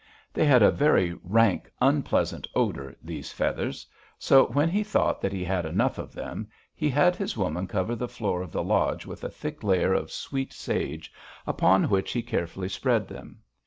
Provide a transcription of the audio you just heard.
"They had a very rank, unpleasant odor, these feathers; so, when he thought that he had enough of them, he had his woman cover the floor of the lodge with a thick layer of sweet sage, upon which he carefully spread them.